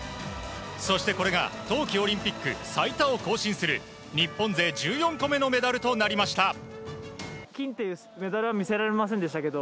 そして、これが冬季オリンピック最多を更新する日本勢１４個目のメダルとなりました。